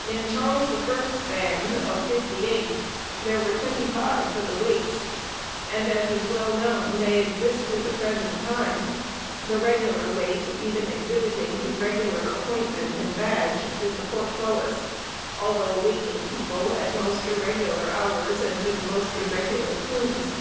In Charles the First's band, of fifty eight, there were twenty five for the waits; and, as is well known, they exist to the present time; the regular wait even exhibiting his regular appointment and badge, with the portcullis, although waking people at most irregular hours, and with most irregular tunes.